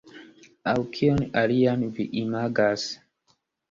Aŭ kion alian vi imagas?